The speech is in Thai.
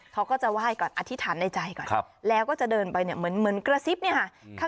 เขาก็จะไหว้ก่อนอธิษฐานในใจก่อนแล้วก็จะเดินไปเนี่ยเหมือนกระซิบเนี่ยค่ะ